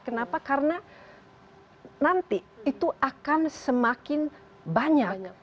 kenapa karena nanti itu akan semakin banyak